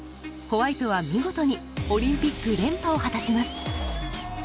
ホワイトは見事にオリンピック連覇を果たします。